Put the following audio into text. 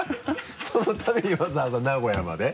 そのためにわざわざ名古屋まで？